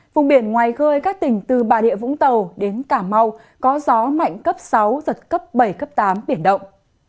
vùng biển ngoài khơi các tỉnh từ bà rịa vũng tàu đến cả mau có gió mạnh cấp sáu giật cấp bảy cấp tám biển động